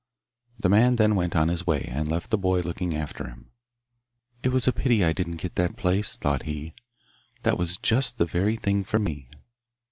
The man then went on his way, and left the boy looking after him. 'It was a pity I didn't get that place,' thought he 'That was just the very thing for me.